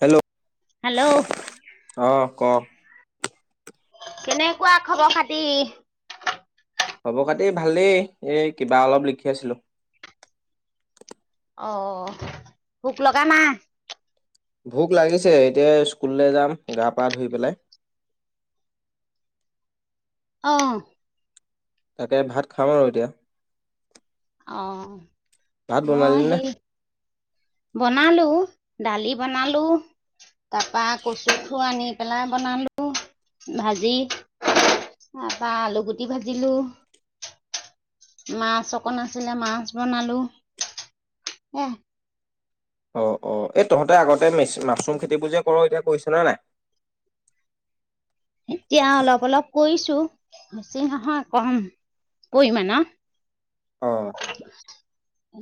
Hello hello অ ক কেনেকুৱা খবৰ খাতি হ'ব কাতি ভাল দেই এই কিবা অলপ লিখি আছিলো অ ভোক লগা নাই ভোক লাগিছে এতিয়া স্কুললৈ যাম গা পা ধুই পেলাই আহ তাকে ভাত খাম আৰু এতিয়া অ ভাত বনালি মই নে সেই বনালো দালি বনালো তাৰ পৰা কচুঠু আনি পেলাই বনালো ভাজি তাৰ পৰা আলু গুটি ভাজিলো মাছ অকণ আছিলে মাছ বনালো হ অ অ এই তহঁতে আগতে মাছৰুম খেতিবো এতিয়া কৰিছ নে নাই এতিয়া অলপ অলপ কৰিছো বেছি নহয় কম পৰিমাণৰ অ ।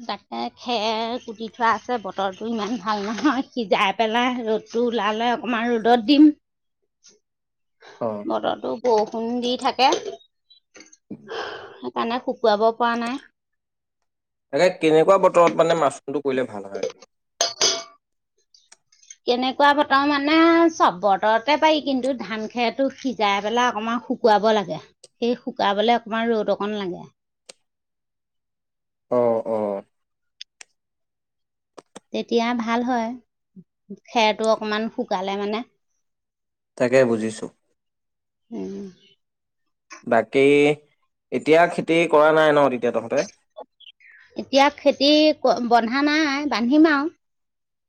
তাকে খেৰ কুটি থোৱা আছে বতৰটো ইমান ভাল নহয় সিজাই পেলাই ৰ'দটো ওলালে অকমান ৰ'দত দিম। অ বতৰটো। বৰষুণ দি থাকে সেইকাৰণে শুকুৱাব পৰা নাই। এ কেনেকুৱা বতৰত মানে মাচুমটো কৰিলে ভাল হয়। কেনেকুৱা বতৰ মানে চব বতৰতে পাৰি কিন্তু ধান খেৰটো সিজাই পেলাই অকমান শুকুৱাব লাগে সেই শুকাবলে অকমান ৰ'দ অকন লাগে। অহ অ তেতিয়া ভাল হয় খেৰটো অকমান শুকালে মানে। তাকে বুজিছোঁ । বাকী এতিয়া খেতি কৰা নাই ন তেতিয়া তহঁতে। এতিয়া খেতি বন্ধা নাই বান্ধিম আৰু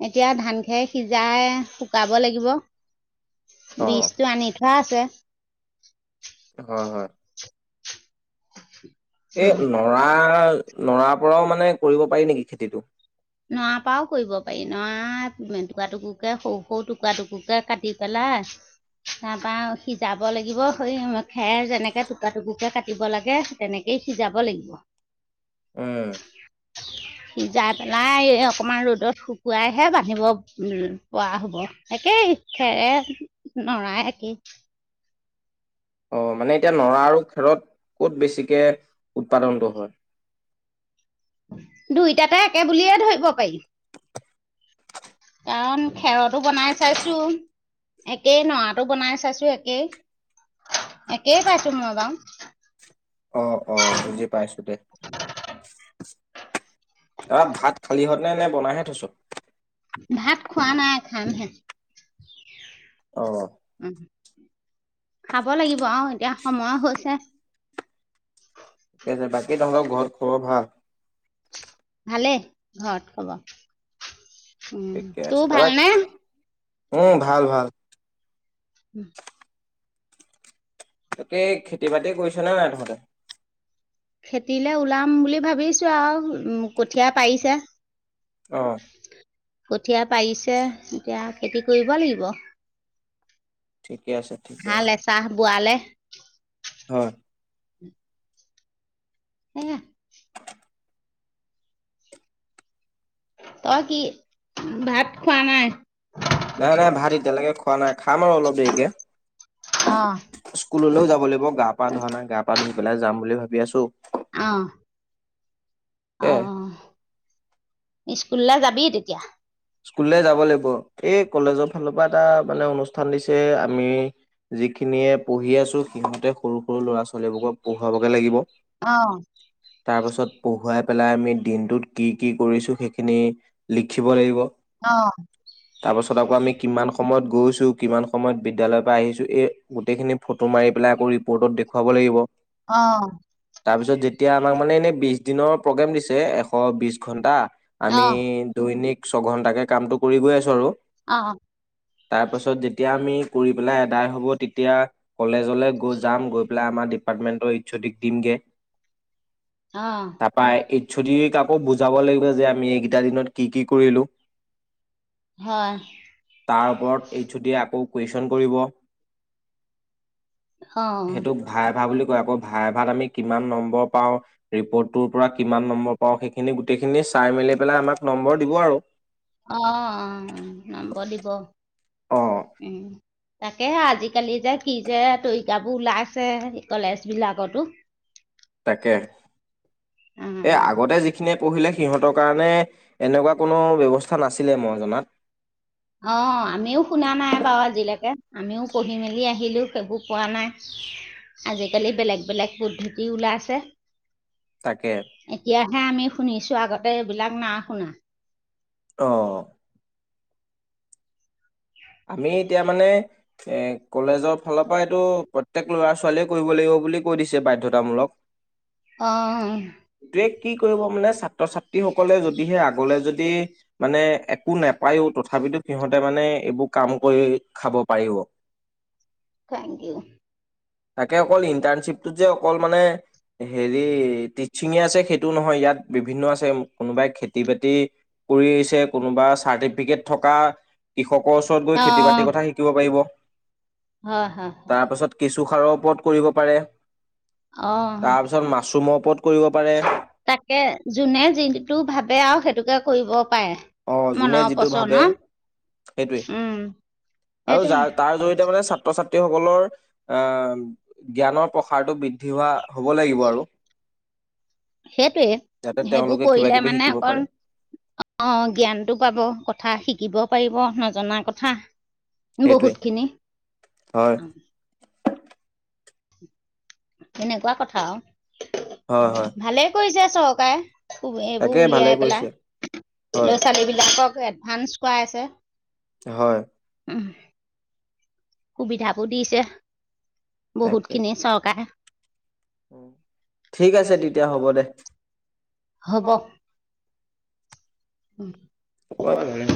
এতিয়া ধান খেৰ সিজাই শুকাব লাগিব। অ বিজতটো আনি থোৱা আছে। হয় হয় এই নৰা নৰাৰ পৰাও মানে কৰিব পাৰি নেকি খেতিটো নৰা পৰাও কৰিব পাৰি নৰা টুৰা টুকুৰকে সৰু সৰু টুকুৰা টুকুকে কাটি পেলাই তাৰ পৰা সিজাব লাগিব সেই খেৰ যেনেকে টুকু টুকুকে কাটিব লাগে তেনেকেই সিজাব লাগিব। উম জায পেলাই অকমান ৰ'দত শুকুৱাইহে বান্ধিব পৰা হ'ব একেই খেৰে নৰাই একেই। অ মানে এতিয়া নৰা আৰু খেৰত ক'ত বেছিকে উৎপাদনটো হয়। দুইটাতে একে বুলিয়ে ধৰিব পাৰি কাৰণ খেৰতো বনাই চাইছো একেই নৰাটো বনাই চাইছো একেই একেই পাইছোঁ মই বাৰু। অ অ বুজি পাইছোঁ দে ত ভাত খালিহঁত মানে এনে বনাই হে থৈছোঁ। ভাত খোৱা নাই খামহে অ ওম, খাব লাগিব আৰু এতিয়া সময় হৈছে। ঠিকে আছে বাকী তহঁতৰ ঘৰত খবৰ ভাল। [unintelligible] ভালেই ঘৰত খবৰ । একেই আছো তই উম ভাল ভাল। উম তাকে খেতি বাতি কৰিছ নে নাই তহঁতে। খেতিলে ওলাম বুলি ভাবিছোঁ আৰু কঠীয়া পাৰিছে। অ কঠীয়া পাৰিছে এতিয়া খেতি কৰিব লাগিব। ঠিকে আছে ঠিকে হাল আছে। এচাহ বোৱালে। হয় হে তই কি ভাত খোৱা নাই? নাই নাই ভাত এতিয়ালৈকে খোৱা নাই খাম আৰু অলপ দেৰিকে অঁ স্কুললৈও যাব লাগিব গা পা ধোৱা নাই গা পা ধুই পেলাই যাম বুলি ভাবি আছো অ এ । স্কুললৈ যাবি তেতিয়া স্কুললে যাব লাগিব এই কলেজৰ ফালৰ পৰা এটা মানে অনুষ্ঠান দিছিল । যে আমি যিখিনিয়ে পঢ়ি আছো সিহঁতে সৰু সৰু ল'ৰা ছোৱালীবোৰক পঢ়ুৱাবকে লাগিব অঁ তাৰ পাছত পঢ়ুৱাই পেলাই আমি দিনটোত কি কি কৰিছো সেইখিনি লিখিব লাগিব অঁ তাৰপাছত আকৌ আমি কিমান সময়ত গৈছো কিমান সময়ত বিদ্যালয়ৰ পৰা আহিছো এই গোটেই খিনি ফটো মাৰি পেলাই আকৌ ৰিপৰ্টত দেখুৱাব লাগিব অঁ তাৰপিছত যেতিয়া আমাক মানে এনে বিশ দিনৰ প্ৰগ্ৰেম দিছে এশ বিশ ঘণ্টা আমি অঁ দৈনিক স্কো ছঘন্টাকে কামটো। কৰি গৈ আছো আৰু অঁ তাৰ পাছত যেতিয়া আমি কৰি পেলাই আদায় হ'ব তেতিয়া কলেজলৈ গৈ যাম গৈ পেলাই আমাৰ ডিপাৰ্টমেন্টৰ ছদিক দিমগে। অঁ তাৰপা এই ছ অ দি ক আকৌ বুজাব লাগিব যে আমি এইকেই- দুটা দিনত কি কি ক হয় তাৰ ওপৰত এইছ অ দি য়ে আকৌ কুৱেচন- হয়। অঁ সেইটোক ভাইভা বুলি কয় আকৌ ভাইে ভ। ভাত আমি কিমান নম্বৰ। নম্ব পাওঁ ৰেপৰ্ত টো পা কিমান নম্বৰ পাওঁ সেইখিনি গোটেই সেই খিনি চাই মেলি পেলাই আমাক নম্বৰ দিব আৰু। অ অ নম্ব দিব। অ উম। তাকে আজিকালি যে কি যে তৰিকাবোৰ ওলাইছে কলেজ বিলাকতো। তাকে এ আগতে যিখিনিয়ে পঢ়িলে সিহঁতক। কাৰণে এনেকুৱা কোনো ব্যৱস্থা নাছিলে মই জনাত। অ আমিও শুনা নাই বাৰু আজিলৈকে আমিও পঢ়ি মেলি আহিলো সেইবোৰ পোৱা নাই আজিকালি বেলেগ বেলেগ পদ্ধতি ওলাইছে। তাকে এতিয়াহে আমি শুনিছো ।আগত ততে এইবিলাক নাই শুনা অ। আমি এতিয়া মানে এ কলেজৰ ফালৰ পৰা এইটো প্ৰত্যয়েক লৰা ছোৱালীয়ে কৰিব লাগিব বুলি কৈ দিছে বাধ্যতামূলক। অঁ তে কি কৰিব মানে ছাত্ৰ ছাত্ৰীসকলে যদিহে আগলে যদি মানে একো নাপায়ো তথাপিতো সিহঁতে মানে ় কাম কৰি খাব পাৰিব থেংক ইউ তাকে অকল ইনটাৰশ্বিপটো যে মানে তিছিং আছে সেইটো নহয় ইয়াত বিভিন্ন আছে। সম [unintelligible] কোনোবাই খেতি বাতি কৰি আহছে কোনোবা চাৰ্টিফিকেট থকা কৃষকৰ গৈ খেতি বাতি অঁ কথা শিকিব পাৰিব। ৱ। হয় হয় তাৰ পাছত কেচু সাৰৰ ওপৰত কৰিব পাৰে। অ তাৰ পিছত মাছৰুমৰ ওপৰত কৰিব পাৰে তাকে যোনে যিটো ভাবে আৰু সেই এইটোকে কৰিব। পাৰে অ যোনে মনৰ যিটো ভাবে পচন্দৰ সেইটোৱে উম আৰু সেইটোৱে যাৰ তাৰ জৰিয়তে মানে ছাত্ৰ ছাত্ৰীসকলৰ অ জ্ঞানৰ প্ৰসাৰটো বৃদ্ধি হোৱা হ'ব লাগিব আৰু সেইটোৱে যাতে সেইবোৰ তেওঁলোকে কিবা কৰিলে কিবি মানে শিকিব অকণ পাৰে অঁ জ্ঞানটো পাব কথা শিকিব পাৰিব নজনা কথা । সেইটোৱে বহুতখিনি হয় এনেকুৱা কথা হয় হয় আৰু ভালে কৰিছে চৰকাৰে খুব এইবোৰ তাকে ভালে উলিয়াই কৰিছে পেলাই হয় ল'ৰা ছোৱালী বিলাকক এডভানস কয়াই আছে হয় উম । সুবিধাবোৰ দিছে বহুত তাকে খিনি চৰকাৰে ঠিক আছে তেতিয়া হ'ব দে উম অ কৰ পৰা উলালে